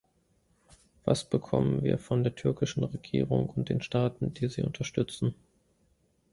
Was bekommen wir von der türkischen Regierung und den Staaten, die sie unterstützen?